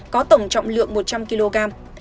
có tổng trọng lượng một trăm linh kg